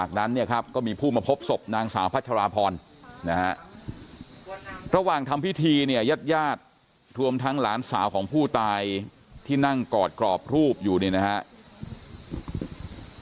หลานสาวของผู้ตายที่นั่งกรอบรูปอยู่นี้นะครับ